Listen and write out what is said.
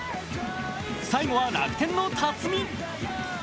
最後は楽天の辰己。